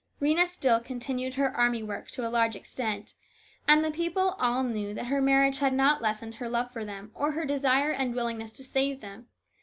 Rhena still continued her army work to a large extent, and the people all knew that her marriage had not lessened her love for them or her desire and willingness to save them.